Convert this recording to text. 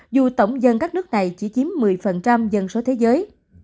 dù tổng dân các nước này chỉ chiếm một mươi dân số thế giới